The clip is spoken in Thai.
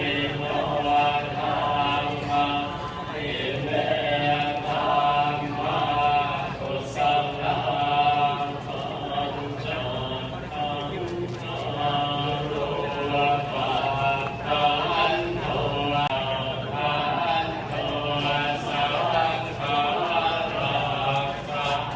มีโลหะดังมะมีแม่ดังมะคุณสาวดังคุณจันทร์คุณโลหะภักดาคุณโลหะอุทธาคุณสาวดังคุณรักษะ